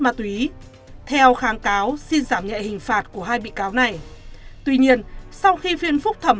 ma túy theo kháng cáo xin giảm nhẹ hình phạt của hai bị cáo này tuy nhiên sau khi phiên phúc thẩm